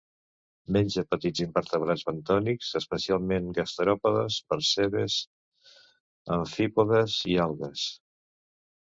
Menja petits invertebrats bentònics, especialment gastròpodes, percebes, amfípodes i algues.